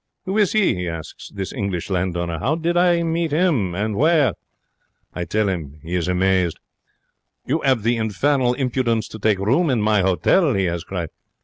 Who is he? he asks. This English landowner? How did I meet him? And where? I tell him. He is amazed. 'You 'ad the infernal impudence to take room in my hotel?' he has cried.